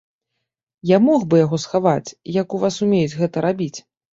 Я мог бы яго схаваць, як у вас умеюць гэта рабіць.